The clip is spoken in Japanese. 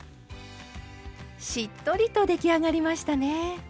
しっとりと出来上がりましたね。